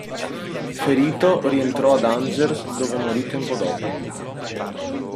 Ferito, rientrò ad Angers, dove morì tempo dopo.